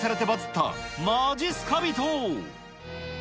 たまじっすか人。